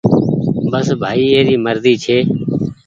بس ڀآئي اي ري مرزي ڇي۔